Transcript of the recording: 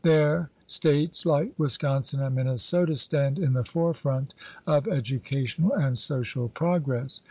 There States like Wisconsin and Minnesota stand in the forefront of educational and social progress.